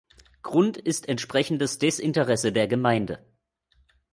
Grund ist entsprechendes Desinteresse der Gemeinde.